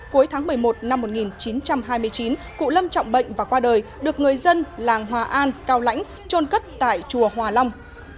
cuối tháng một mươi một năm một nghìn chín trăm hai mươi chín cụ lâm trọng bệnh và qua đời được người dân làng hòa an cao lãnh trôn cất tại chùa hòa long